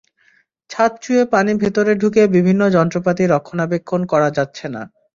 ছাদ চুয়ে পানি ভেতরে ঢুকে বিভিন্ন যন্ত্রপাতি রক্ষণাবেক্ষণ করা যাচ্ছে না।